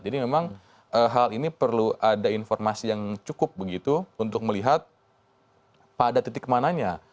jadi memang hal ini perlu ada informasi yang cukup begitu untuk melihat pada titik mananya